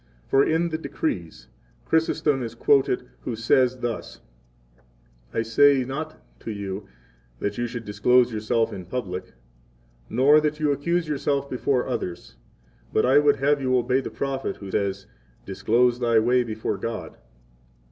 For in the Decrees, Chrysostom is quoted, 11 who says thus: I say not to you that you should disclose yourself in public, nor that you accuse yourself before others, but I would have you obey the prophet who says: "Disclose thy way before God."